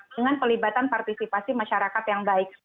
dengan pelibatan partisipasi masyarakat yang baik